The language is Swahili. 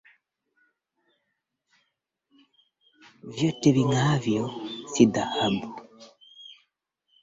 stesheni ya redio intakiwa kutoa taarifa kwa wakulima